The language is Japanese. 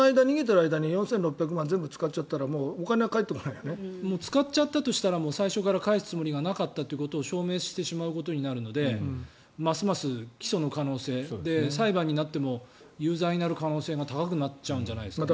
でも、その逃げている間に４６００万円全部使っちゃったら使ってしまったら最初から返すつもりがなかったことを証明することになるのでますます起訴の可能性で裁判になっても有罪になる可能性が高くなるんじゃないですかね。